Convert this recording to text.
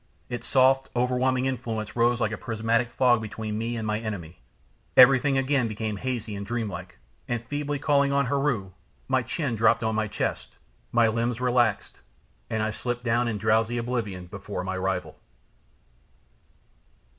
Its soft, overwhelming influence rose like a prismatic fog between me and my enemy, everything again became hazy and dreamlike, and feebly calling on Heru, my chin dropped upon my chest, my limbs relaxed, and I slipped down in drowsy oblivion before my rival.